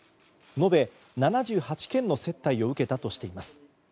延べ７８件の接待を受けたとしています。